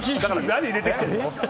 何入れてきてるの？